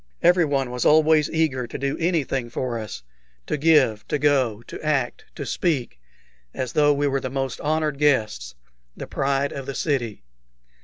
Everyone was always eager to do anything for us to give, to go, to act, to speak, as though we were the most honored of guests, the pride of the city.